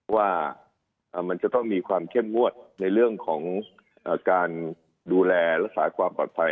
ว่ามันจะต้องมีความเข้มงวดในเรื่องของการดูแลรักษาความปลอดภัย